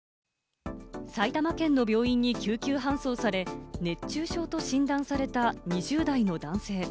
埼玉県の病院に救急搬送され、熱中症と診断された２０代の男性。